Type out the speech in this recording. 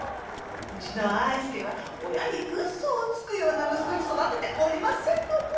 うちの愛介は親に嘘をつくような息子に育てておりませんので。